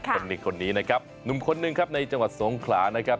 คนนี้คนนี้นะครับหนุ่มคนหนึ่งครับในจังหวัดสงขลานะครับ